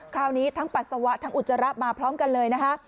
คราวนี้ทั้งปัสสาวะทั้งอุจจาระมาพร้อมกันเลยนะคะ